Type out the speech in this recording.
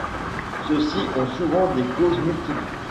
Ceux-ci ont souvent des causes multiples.